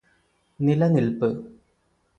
നിലനില്പ്